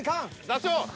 座長！